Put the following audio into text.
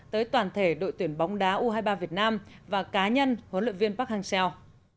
tới toàn thể đội tuyển bóng đá u hai mươi ba việt nam và cá nhân huấn luyện viên park hang seo